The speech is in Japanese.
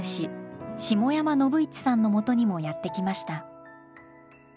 下山信市さんのもとにもやって来ました。